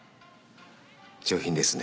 上品ですね。